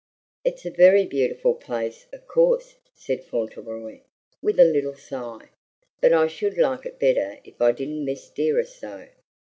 "It's a very beautiful place, of course," said Fauntleroy, with a little sigh; "but I should like it better if I didn't miss Dearest so.